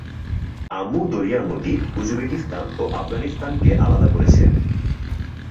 আমু দরিয়া নদী উজবেকিস্তান ও আফগানিস্তানকে আলাদা করেছে।